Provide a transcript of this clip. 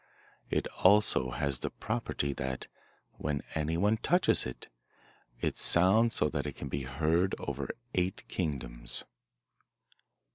It also has the property that, when anyone touches it, it sounds so that it can be heard over eight kingdoms.